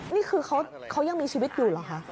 นี่คือเขายังมีชีวิตอยู่เหรอคะ